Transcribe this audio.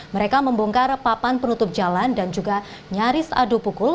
mereka membongkar papan penutup jalan dan juga nyaris adu pukul